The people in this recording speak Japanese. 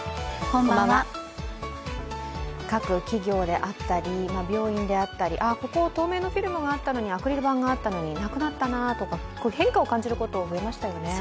各企業であったり病院であったり、ここ、透明のフィルムがあったのにアクリル板があったのに、なくなったなとか、変化を感じること、増えましたよね。